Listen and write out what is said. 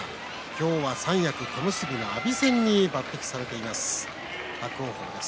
今日は三役小結の阿炎戦に抜てきされています、伯桜鵬です。